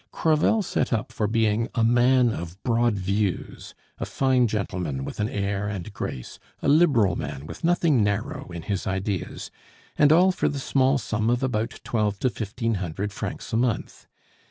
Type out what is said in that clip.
Crevel set up for being a man of broad views, a fine gentleman with an air and grace, a liberal man with nothing narrow in his ideas and all for the small sum of about twelve to fifteen hundred francs a month.